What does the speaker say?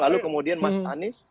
lalu kemudian mas anies